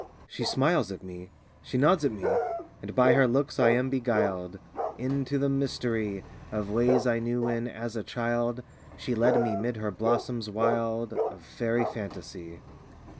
IV She smiles at me; she nods at me; And by her looks I am beguiled Into the mystery Of ways I knew when, as a child, She led me 'mid her blossoms wild Of faery fantasy.